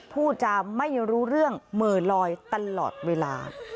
ผู้จำไม่รู้เรื่องเหม่อลอยตลอดเวลา